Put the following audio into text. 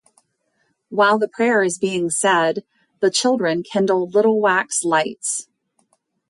While the prayer is being said, the children kindle little wax lights.